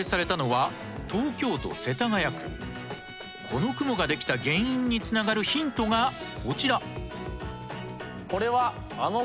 この雲ができた原因につながるヒントがこちら。